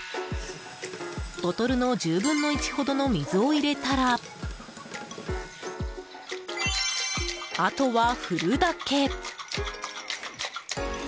ボトルの１０分の１ほどの水を入れたら、あとは振るだけ。